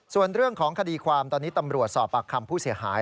ส่วนเรื่องของคดีความตอนนี้ตำรวจสอบปากคำผู้เสียหาย